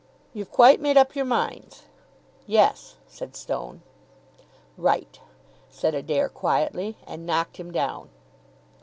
"You've quite made up your minds?" "Yes," said Stone. "Right," said Adair quietly, and knocked him down.